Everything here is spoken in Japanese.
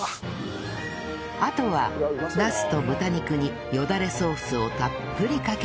あとはナスと豚肉によだれソースをたっぷりかければ